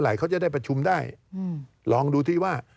การเลือกตั้งครั้งนี้แน่